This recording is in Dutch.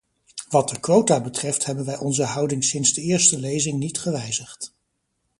Wat de quota betreft hebben wij onze houding sinds de eerste lezing niet gewijzigd.